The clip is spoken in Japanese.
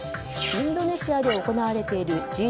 インドネシアで行われているＧ２０